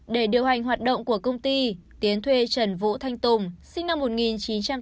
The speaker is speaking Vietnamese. để điều hành hoạt động của công ty tiến thuê trần vũ thanh tùng sinh năm một nghìn chín trăm tám mươi